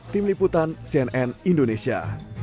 tim liputan cnn indonesia